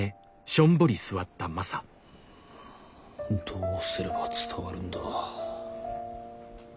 どうすれば伝わるんだ？